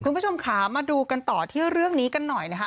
คุณผู้ชมค่ะมาดูกันต่อที่เรื่องนี้กันหน่อยนะคะ